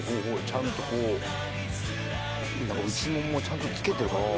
ちゃんとこう内ももをちゃんとつけてるから。